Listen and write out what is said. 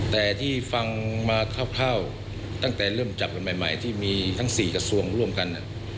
แต่ที่ฟังมาคร่าวตั้งแต่เริ่มจับกันใหม่ที่มีทั้ง๔กระทรวงร่วมกัน